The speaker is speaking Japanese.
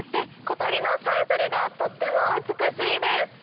小鳥のさえずりがとっても美しいです。